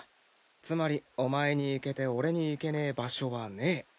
つまりお前に行けて俺に行けねえ場所はねえ。